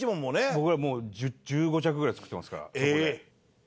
僕らもう１５着ぐらい作ってますからそこで。